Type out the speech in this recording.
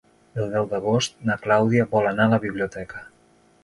El deu d'agost na Clàudia vol anar a la biblioteca.